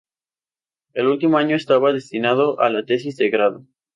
El último año estaba destinado a la tesis de grado.